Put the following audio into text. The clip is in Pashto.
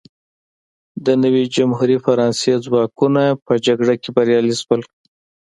د نوې جمهوري فرانسې ځواکونه په جګړه کې بریالي شول.